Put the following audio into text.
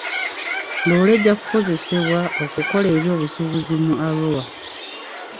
Lole ejja kukozesebwa okukola eby'obusuubuzi mu Arua